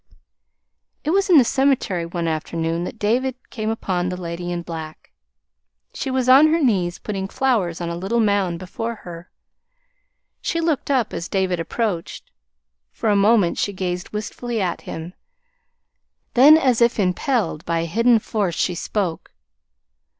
It was in the cemetery one afternoon that David came upon the Lady in Black. She was on her knees putting flowers on a little mound before her. She looked up as David approached. For a moment she gazed wistfully at him; then as if impelled by a hidden force, she spoke.